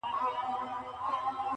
• اصلاح نه سو لایې بد کول کارونه,